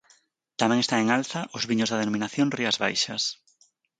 Tamén están en alza os viños da Denominación Rías Baixas.